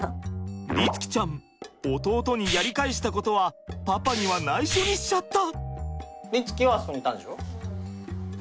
律貴ちゃん弟にやり返したことはパパにはないしょにしちゃった。